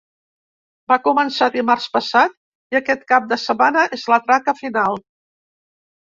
Va començar dimarts passat i aquest cap de setmana és la traca final.